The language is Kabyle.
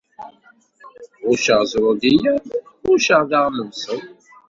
Ɣucceɣ ẓrudiya, ɣucceɣ daɣen lebṣel.